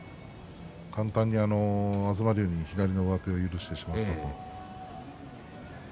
簡単に東龍に左の上手を許してしまったと。